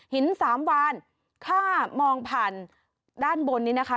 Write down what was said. หินสามวานถ้ามองผ่านด้านบนนี้นะคะ